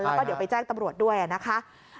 แล้วก็เดี๋ยวไปแจ้งตำรวจด้วยนะคะ